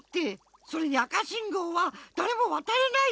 それに赤しんごうはだれもわたれないし！